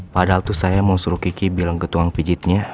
padahal tuh saya mau suruh kiki bilang ke tukang pijitnya